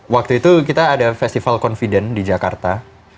waktu itu kita ada festival confident di jakarta